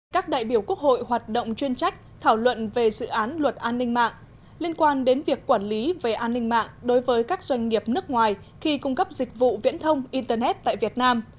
các đại biểu quốc hội hoạt động chuyên trách thảo luận về dự án luật an ninh mạng liên quan đến việc quản lý về an ninh mạng đối với các doanh nghiệp nước ngoài khi cung cấp dịch vụ viễn thông internet tại việt nam